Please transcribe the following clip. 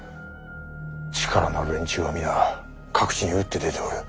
力のある連中は皆各地に打って出ておる。